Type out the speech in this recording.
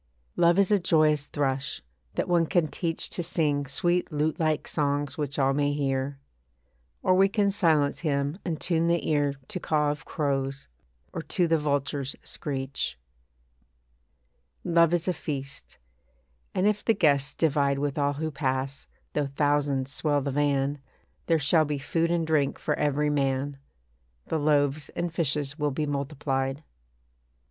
Love is a joyous thrush, that one can teach To sing sweet lute like songs which all may hear. Or we can silence him and tune the ear To caw of crows, or to the vulture's screech. Love is a feast; and if the guests divide With all who pass, though thousands swell the van, There shall be food and drink for every man; The loaves and fishes will be multiplied.